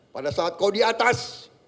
pada saat kau di atas